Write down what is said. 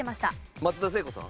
松田聖子さん？